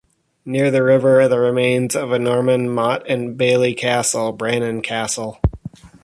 Near the river are the remains of a Norman motte-and-bailey castle, Brandon Castle.